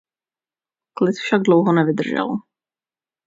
Klid však dlouho nevydržel.